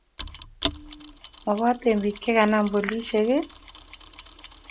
maboten biik che kinam polisiek?